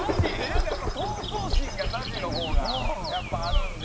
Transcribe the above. なんか闘争心がＺＡＺＹの方がやっぱあるんで。